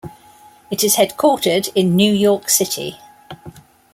It is headquartered in New York City.